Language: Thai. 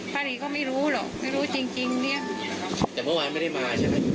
ท่านี้ก็ไม่รู้หรอกไม่รู้จริงจริงเนี้ยแต่เมื่อวานไม่ได้มาใช่ไหม